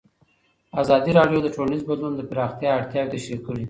ازادي راډیو د ټولنیز بدلون د پراختیا اړتیاوې تشریح کړي.